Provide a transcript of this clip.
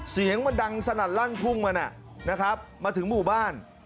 เสียงมันดังสนั่นลั่นทุ่งมานะครับมาถึงหมู่บ้าน